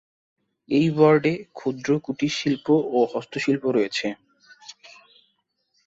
এই ওয়ার্ডে ক্ষুদ্র কুটির শিল্প ও হস্তশিল্প রয়েছে।